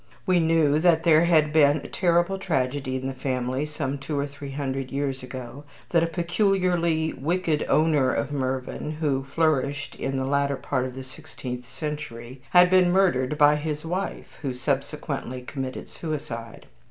We knew that there had been a terrible tragedy in the family some two or three hundred years ago that a peculiarly wicked owner of Mervyn, who flourished in the latter part of the sixteenth century, had been murdered by his wife who subsequently committed suicide.